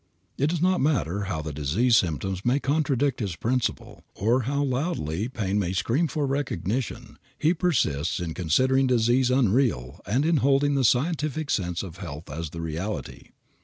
It does not matter how the disease symptoms may contradict this principle, or how loudly pain may scream for recognition, he persists in considering disease unreal and in holding the scientific sense of health as the reality.